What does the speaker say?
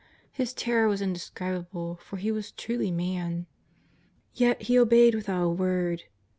His terror was indescribable, for He was truly man. Yet He obeyed without a word.